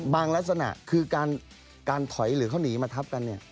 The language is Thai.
ลักษณะคือการถอยหรือเขาหนีมาทับกันเนี่ย